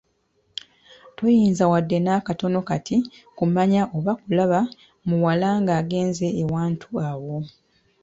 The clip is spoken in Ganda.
Toyinza wadde n'akatono kati kumanya oba kulaba muwala ng'agenze ewantu awo.